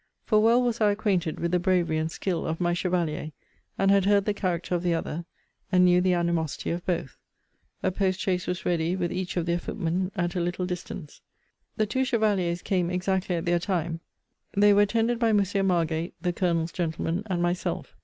For well was I acquainted with the bravery and skill of my chevalier; and had heard the character of the other; and knew the animosity of both. A post chaise was ready, with each of their footmen, at a little distance. The two chevaliers came exactly at their time: they were attended by Monsieur Margate, (the Colonel's gentleman,) and myself.